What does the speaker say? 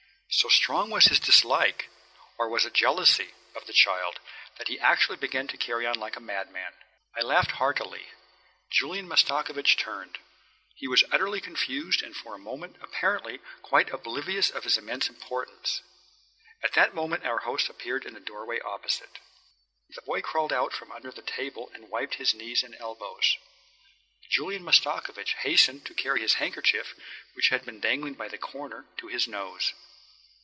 So strong was his dislike (or was it jealousy?) of the child that he actually began to carry on like a madman. I laughed heartily. Julian Mastakovich turned. He was utterly confused and for a moment, apparently, quite oblivious of his immense importance. At that moment our host appeared in the doorway opposite. The boy crawled out from under the table and wiped his knees and elbows. Julian Mastakovich hastened to carry his handkerchief, which he had been dangling by the corner, to his nose.